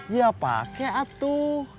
iya pakai atuh